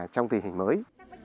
trong tình hình mới